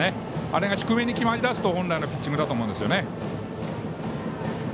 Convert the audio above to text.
あれが低めに決まりだすと本来のピッチングだと思います。